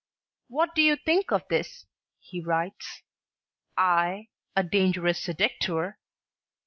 "What do you think of this?" he writes. "I, a dangerous seducteur!"